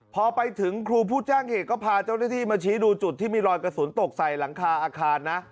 พอไปถึงครูผู้แจ้งเหตุก็พาเจ้าหน้าที่มาชี้ดูจุดที่มีรอยกระสุนตกใส่หลังคาอาคารนะ